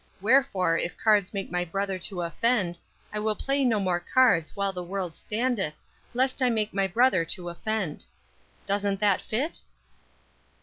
Wherefore if cards make my brother to offend, I will play no more cards while the world standeth, lest I make my brother to offend.' Doesn't that fit?"